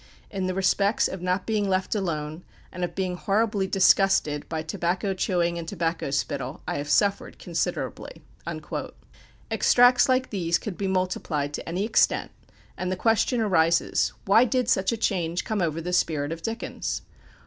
In the respects of not being left alone, and of being horribly disgusted by tobacco chewing and tobacco spittle, I have suffered considerably." Extracts like these could be multiplied to any extent, and the question arises, why did such a change come over the spirit of Dickens?